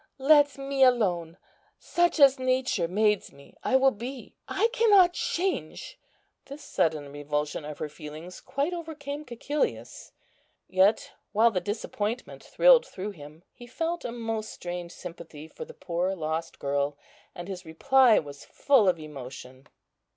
Let me alone; such as nature made me I will be. I cannot change." This sudden revulsion of her feelings quite overcame Cæcilius; yet, while the disappointment thrilled through him, he felt a most strange sympathy for the poor lost girl, and his reply was full of emotion.